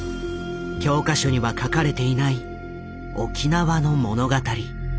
教科書には書かれていない沖縄の物語。